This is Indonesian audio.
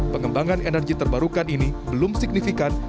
pengembangan energi terbarukan ini belum signifikan